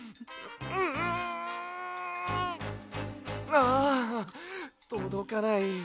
ああとどかない。